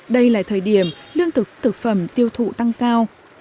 đây là thời điểm lương thực thực phẩm tiêu thụ tăng cao